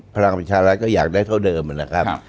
ภารกรณ์ประชารัสก็เยอะเป็นอย่างเดิม